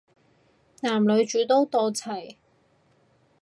男女主角都到齊